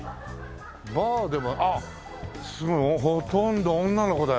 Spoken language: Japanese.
バーでもあっすごいほとんど女の子だよ。